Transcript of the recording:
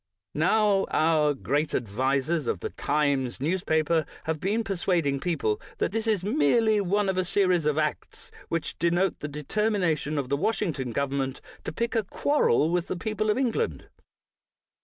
Now, our great advisers of the Times news paper have been persuading people that this is merely one of a series of acts which denote the determination of the Washington government to pick a quarrel with the people of England.